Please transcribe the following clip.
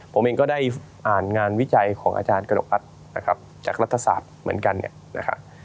ผมเองก็ได้อ่านงานวิจัยของอาจารย์เกราะรัฐจากรัฐศาสตร์เหมือนกัน